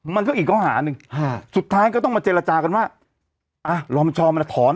มันก็อีกข้อหาหนึ่งสุดท้ายก็ต้องมาเจรจากันว่าอ่ะรอปชมันจะถอน